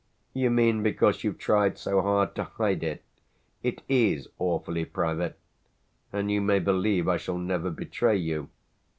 "You mean because you've tried so hard to hide it? It is awfully private, and you may believe I shall never betray you.